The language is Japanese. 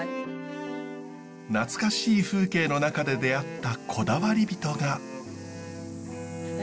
懐かしい風景の中で出会ったこだわり人が。え？